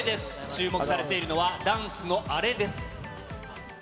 注目されているのは、ダンスのあれです。